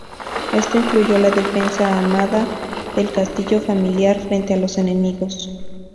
Esto incluyó la defensa amada del castillo familiar frente a los enemigos.